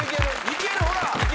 いけるほらっ！